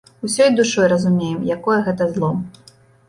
Усёй душой разумеем, якое гэта зло.